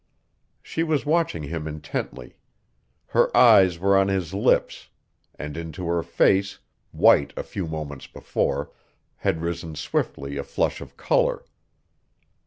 She was watching him intently. Her eyes were on his lips, and into her face white a few moments before had risen swiftly a flush of color.